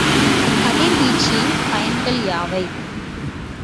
கதிர்வீச்சின் பயன்கள் யாவை?